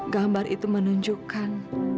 gambar itu menunjukkan